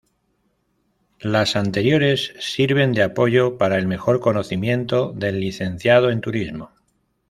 Las anteriores sirven de apoyo para el mejor conocimiento del Licenciado en Turismo.